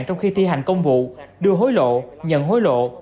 trong khi thi hành công vụ đưa hối lộ nhận hối lộ